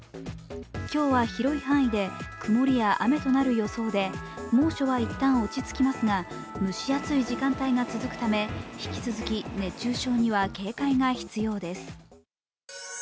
今日は広い範囲で曇りと雨となる予想で、猛暑は一旦落ち着きますが蒸し暑い時間帯が続くため引き続き熱中症には警戒が必要です。